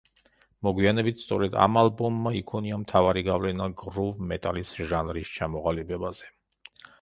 მოგვიანებით სწორედ ამ ალბომმა იქონია მთავარი გავლენა გრუვ მეტალის ჟანრის ჩამოყალიბებაზე.